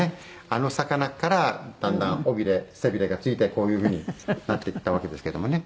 あの魚からだんだん尾びれ背びれがついてこういう風になっていったわけですけどもね。